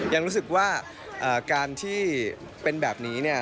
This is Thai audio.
ยังรู้สึกว่าการที่เป็นแบบนี้เนี่ย